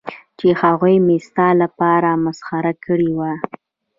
چې هغوی مې ستا لپاره مسخره کړې وای.